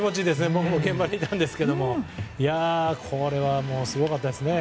僕も現場にいましたけどこれは、すごかったですね。